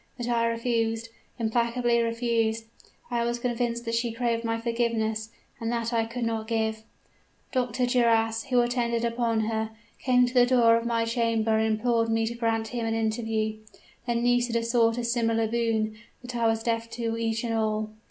But I refused implacably refused. I was convinced that she craved my forgiveness; and that I could not give. "Dr. Duras, who attended upon her, came to the door of my chamber and implored me to grant him an interview: then Nisida sought a similar boon; but I was deaf to each and all.